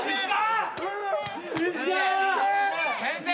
先生！